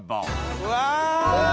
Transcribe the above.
うわ！